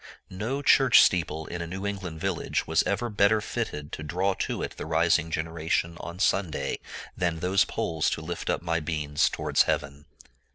No church steeple in a New England village was ever better fitted to draw to it the rising generation on Sunday, than those poles to lift up my beans towards heaven.